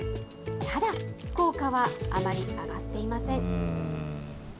ただ、効果はあまり上がっていません。